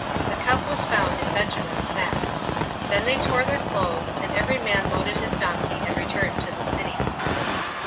The cup was found in Benjamin's sack. 044:013 Then they tore their clothes, and every man loaded his donkey, and returned to the city.